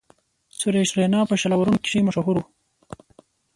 سریش رینا په شل آورونو کښي مشهور وو.